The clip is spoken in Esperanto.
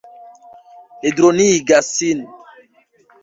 Li dronigas sin.